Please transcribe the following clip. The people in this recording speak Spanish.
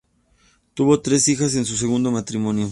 Tuvo tres hijas de su segundo matrimonio.